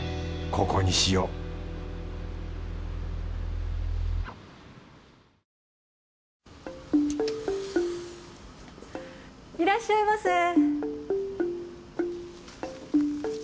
ここにしよういらっしゃいませ。